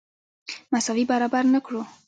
مساوي برابر نه کړو.